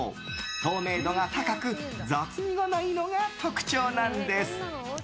透明度が高く雑味がないのが特徴なんです。